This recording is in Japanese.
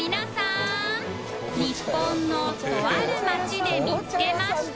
稙椶とある町で見つけました